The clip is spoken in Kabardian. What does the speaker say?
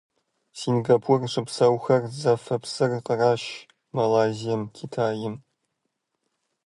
Сингапур щыпсэухэр зэфэ псыр къраш Малайзием, Китайм.